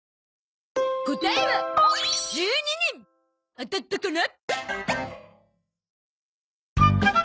当たったかな？